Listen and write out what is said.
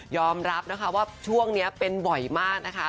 รับนะคะว่าช่วงนี้เป็นบ่อยมากนะคะ